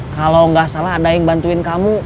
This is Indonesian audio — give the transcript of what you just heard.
kalau nggak salah ada yang bantuin kamu